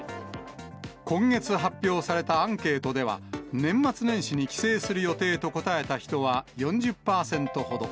今月発表されたアンケートでは、年末年始に帰省する予定と答えた人は４０％ほど。